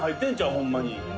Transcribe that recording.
ホンマに」